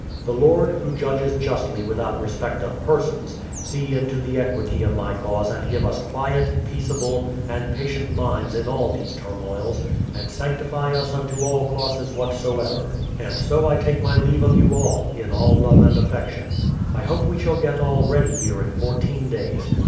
The Lord, Who judges justly without respect of persons, see into the equity of my cause and give us quiet, peaceable, and patient minds in all these turmoils, and sanctify us unto all crosses what soever. And so I tal<:e my leave of you all, in all love and affection. I hope we shall get all ready here in fourteen days.